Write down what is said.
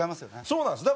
そうなんです。